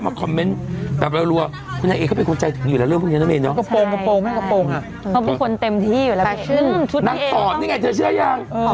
ออกกำลังกายหรือเปล่า